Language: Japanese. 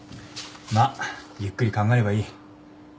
まっゆっくり考えればいい。